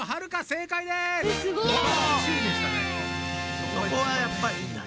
そこはやっぱりいいんだな。